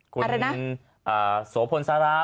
คุณโสโพนสาราม